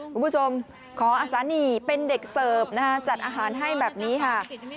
คุณผู้ชมขออสานีเป็นเด็กเสิร์ฟนะฮะจัดอาหารให้แบบนี้ค่ะ